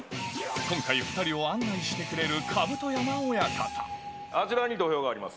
今回、２人を案内してくれるあちらに土俵があります。